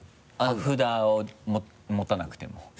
札を持たなくても。